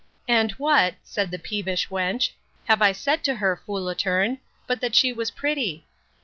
And what, said the peevish wench, have I said to her, foolatum; but that she was pretty?